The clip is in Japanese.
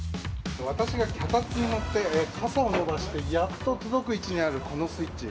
私が脚立に乗ってかさを伸ばしてやっと届く位置にあるこのスイッチ。